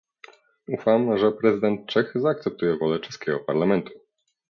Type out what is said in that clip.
Ufam, że prezydent Czech zaakceptuje wolę czeskiego parlamentu